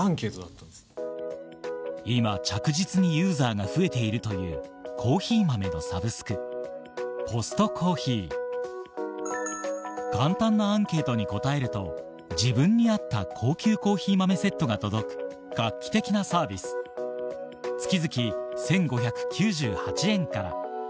今着実にユーザーが増えているという簡単なアンケートに答えると自分に合った高級コーヒー豆セットが届く画期的なサービススイーツ。